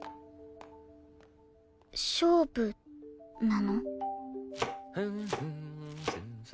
勝負なの？